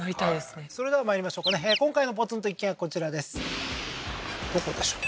それではまいりましょう今回のポツンと一軒家こちらですどこでしょう？